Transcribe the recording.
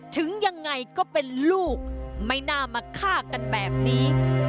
ถึงยังไงก็เป็นลูกไม่น่ามาฆ่ากันแบบนี้